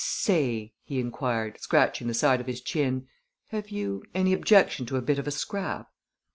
"Say," he inquired, scratching the side of his chin, "have you any objection to a bit of a scrap?"